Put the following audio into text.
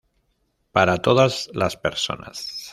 Para todas las personas".